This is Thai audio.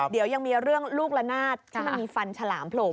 เดี๋ยวยังมีเรื่องลูกละนาดที่มันมีฟันฉลามโผล่